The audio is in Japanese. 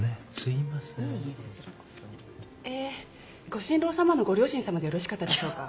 ご新郎さまのご両親さまでよろしかったでしょうか？